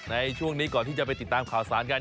ในช่วงนี้ก่อนที่จะไปติดตามข่าวสารกัน